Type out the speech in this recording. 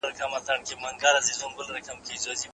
ستا غمونه ستا دردونه